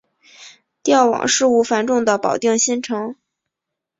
调往事务繁重的保定新城。